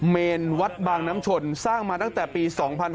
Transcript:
เมนวัดบางน้ำชนสร้างมาตั้งแต่ปี๒๕๕๙